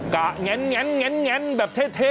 กะแงนแบบเท่